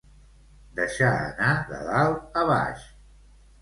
Deixar anar de dalt a baix.